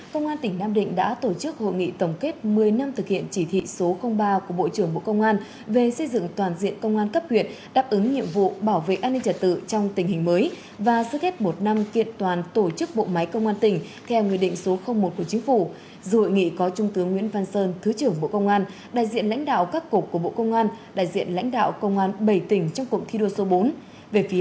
cảm ơn các bạn đã theo dõi và hẹn gặp lại